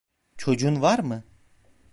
Çocuğun var mı?